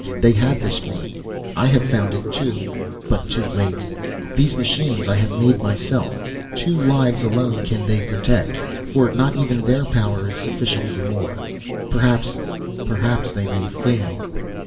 They had the screen, I have found it, too but too late. These machines I have made myself. Two lives alone they can protect, for not even their power is sufficient for more. Perhaps perhaps they may fail."